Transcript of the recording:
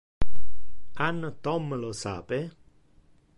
An Tom lo sape?